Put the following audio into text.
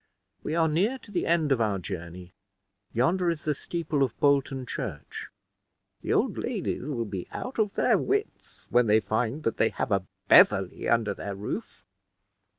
We are near to the end of our journey; yonder is the steeple of Bolton church. The old ladies will be out of their wits when they find that they have a Beverley under their roof."